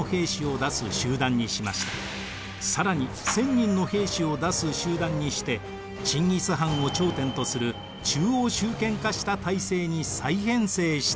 更に１，０００人の兵士を出す集団にしてチンギス・ハンを頂点とする中央集権化した体制に再編成したのです。